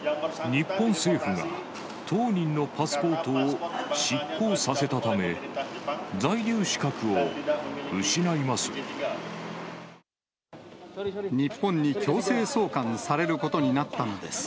日本政府が当人のパスポートを失効させたため、在留資格を失います。